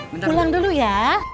pulang dulu ya